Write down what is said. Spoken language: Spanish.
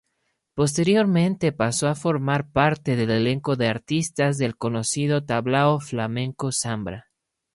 Posteriormente pasó a formar parte del elenco de artistas del conocido tablao flamenco Zambra.